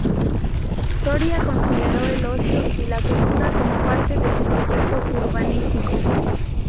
Soria consideró el ocio y la cultura como parte su proyecto urbanístico.